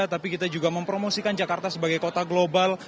tapi kita juga mempromosikan jakarta sebagai kota global